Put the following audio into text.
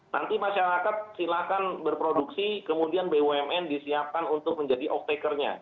nanti masyarakat silakan berproduksi kemudian bumn disiapkan untuk menjadi off takernya